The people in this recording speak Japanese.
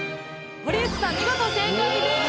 堀内さん見事正解です！